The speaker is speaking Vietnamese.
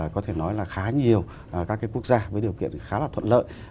có thể nói là khá nhiều các quốc gia với điều kiện khá là thuận lợi